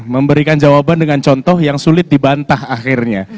memberikan jawaban dengan contoh yang sulit dibantah akhirnya